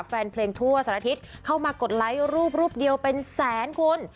แฟนเพลงทั่วสารทิศเข้ามากดไลค์รูปรูปเดียวเป็นแสนคุณ